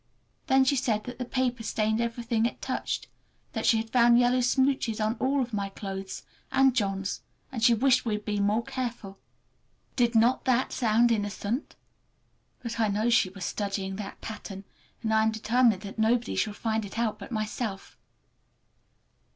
Then she said that the paper stained everything it touched, that she had found yellow smooches on all my clothes and John's, and she wished we would be more careful! Did not that sound innocent? But I know she was studying that pattern, and I am determined that nobody shall find it out but myself!